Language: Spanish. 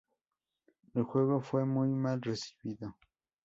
El juego fue muy mal recibido.